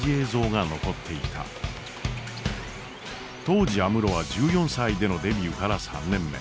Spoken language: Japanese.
当時安室は１４歳でのデビューから３年目。